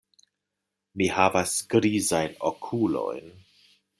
Mi havas grizajn okulojn.